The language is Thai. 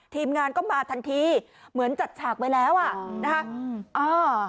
ทีมงานก็มาทันทีเหมือนจะจัดฉากไปแล้วอ่ะนะฮะ